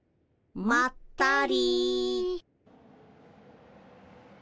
まったり。